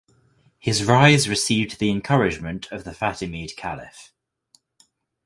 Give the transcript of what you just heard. His rise received the encouragement of the Fatimid Caliph.